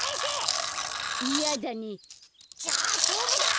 じゃあしょうぶだ。